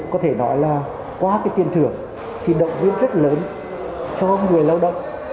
có thể nói là qua cái tiền thưởng thì động viên rất lớn cho người lao động